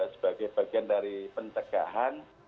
sebagai bagian dari pencegahan